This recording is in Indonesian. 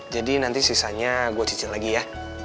jadi nanti sisanya gue cicil lagi ya